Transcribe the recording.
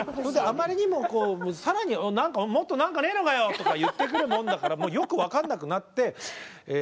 あまりにもこう更に「もっと何かねえのかよ」とか言ってくるもんだからよく分かんなくなってええ